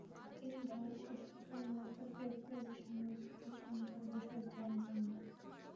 তিনি "ভারত" পত্রিকা মারফত বিপ্লবী সাংবাদিকতার চূড়ান্ত আদর্শ স্থাপন করেন।